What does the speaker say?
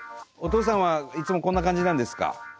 お父さんはいつもこんな感じなんですか？